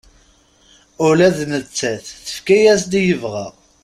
Ula d nettat tefka-yas-d i yebɣa.